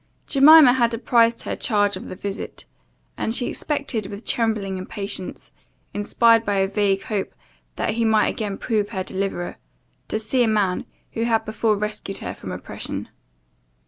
Jemima had apprized her charge of the visit, and she expected with trembling impatience, inspired by a vague hope that he might again prove her deliverer, to see a man who had before rescued her from oppression.